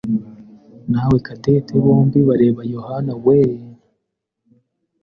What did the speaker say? nawe Cadette bombi bareba Yohanawe.